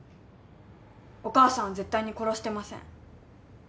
お母さんは絶対に殺してません。